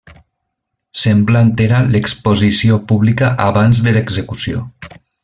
Semblant era l'exposició pública abans de l'execució.